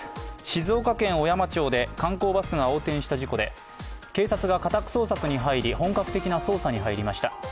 静岡県小山町で観光バスが横転した事故で、警察が家宅捜索に入り本格的な捜査に入りました。